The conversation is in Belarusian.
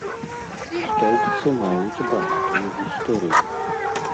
Стоўбцы маюць багатую гісторыю.